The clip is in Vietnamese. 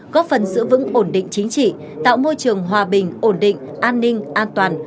góp phần giữ vững ổn định chính trị tạo môi trường hòa bình ổn định an ninh an toàn